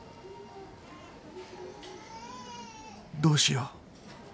どうしよう？